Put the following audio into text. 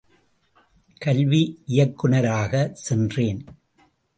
கல்வி இயக்குநராகச் சென்றேன்.